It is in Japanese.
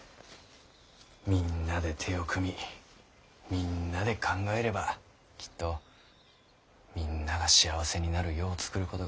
みんなで手を組みみんなで考えればきっとみんなが幸せになる世を作ることができる。